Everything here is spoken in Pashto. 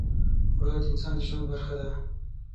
اوړه د انسان د ژوند برخه ده